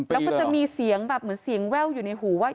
แล้วก็จะมีเสียงแบบเหมือนเสียงแว่วอยู่ในหูว่า